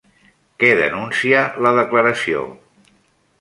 Què denuncia la declaració?